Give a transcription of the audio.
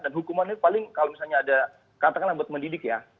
dan hukumannya paling kalau misalnya ada katakanlah buat mendidik ya